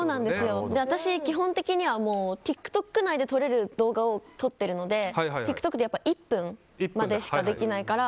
私、基本的にはＴｉｋＴｏｋ内で撮れる動画を撮っているのでＴｉｋＴｏｋって１分までしかできないから。